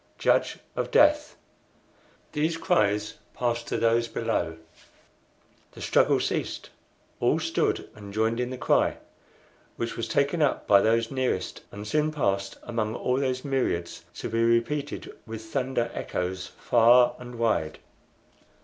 Judge of Death!) These cries passed to those below. The struggle ceased. All stood and joined in the cry, which was taken up by those nearest, and soon passed among all those myriads, to be repeated with thunder echoes far and wide.